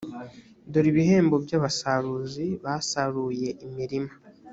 dore ibihembo by abasaruzi basaruye imirima